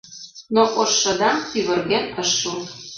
Но ошшыдаҥ тӱвырген ыш шу.